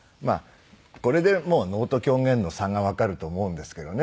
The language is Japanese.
これで能と狂言の差がわかると思うんですけどね